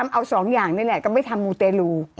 เอาสองอย่างเนี่ยก็ไปทำมูเตรลู